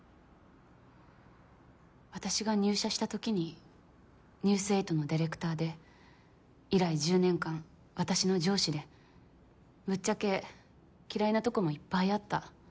私が入社したときに「ニュース８」のディレクターで以来１０年間私の上司でぶっちゃけ嫌いなとこもいっぱいあった。